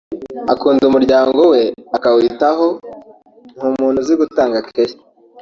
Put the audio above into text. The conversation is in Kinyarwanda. Akunda umuryango we akawitaho (ni umuntu uzi gutanga care)